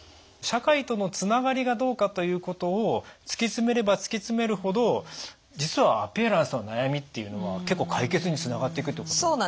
社会とのつながりがどうかということを突き詰めれば突き詰めるほど実はアピアランスの悩みっていうのは結構解決につながっていくということ。